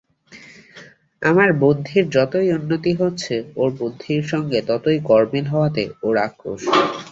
আমার বুদ্ধির যতই উন্নতি হচ্ছে, ওঁর বুদ্ধির সঙ্গে ততই গরমিল হওয়াতে ওঁর আক্রোশ।